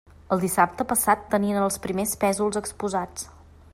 El dissabte passat tenien els primers pésols exposats.